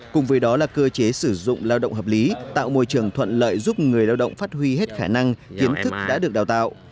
cùng với đó là cơ chế sử dụng lao động hợp lý tạo môi trường thuận lợi giúp người lao động phát huy hết khả năng kiến thức đã được đào tạo